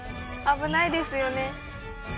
危ないですよね。